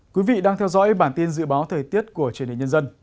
quý vị đang theo dõi bản tin dự báo thời tiết của truyền hình nhân dân